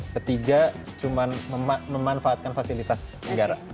ketiga cuma memanfaatkan fasilitas negara